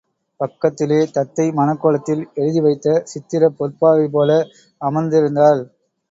பக்கத்திலே தத்தை மனக்கோலத்தில் எழுதி வைத்த சித்திரப் பொற்பாவைபோல அமர்ந்திருந்தாள்.